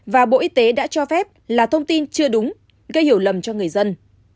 và bộ y tế đã cho phép là thông tin chưa đúng gây hiểu lầm cho người dân